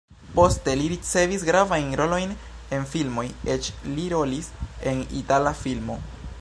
Poste li ricevis gravajn rolojn en filmoj, eĉ li rolis en itala filmo.